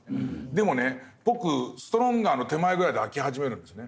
でもね僕ストロンガーの手前ぐらいで飽き始めるんですね。